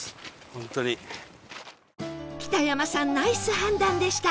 北山さんナイス判断でした